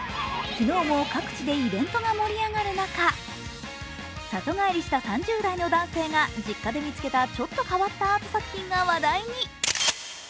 昨日も各地でイベントが盛り上がる中、里帰りした３０代の男性が実家で見つけたちょっと変わったアート作品が話題に。